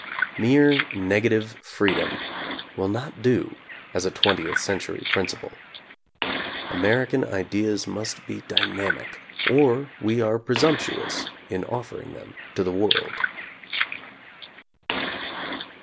Mere negative freedom will not do as a twentieth century principle. American ideas must be dynamic or we are presumptuous in offering them to the world.